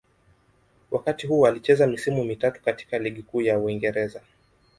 Wakati huu alicheza misimu mitatu katika Ligi Kuu ya Uingereza.